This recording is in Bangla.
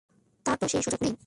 তার তো সে সুযোগ নেই।